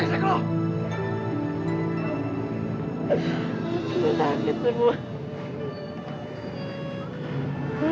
aku tidak bisa